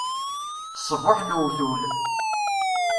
Ṣṣbuḥ n uwtul!